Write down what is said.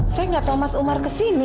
saya gak tau mas umar kesini